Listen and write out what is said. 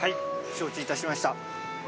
承知いたしました。